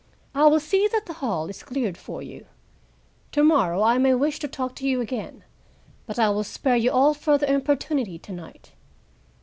I will see that the hall is cleared for you. Tomorrow I may wish to talk to you again, but I will spare you all further importunity tonight."